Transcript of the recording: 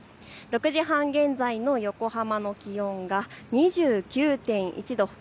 ６時半現在の横浜の気温は２９．１度。